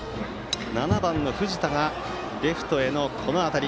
７番の藤田がレフトへの当たり。